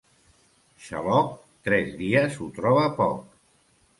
Xaloc, tres dies ho troba poc.